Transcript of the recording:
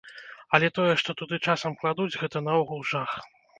Але тое, што туды часам кладуць, гэта наогул жах.